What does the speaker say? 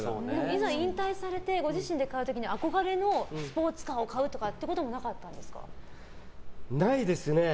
いざ、引退されてご自身で買う時に憧れのスポーツカーを買うっていうこともないですね。